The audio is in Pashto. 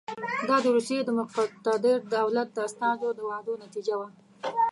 دا د روسیې د مقتدر دولت د استازو د وعدو نتیجه وه.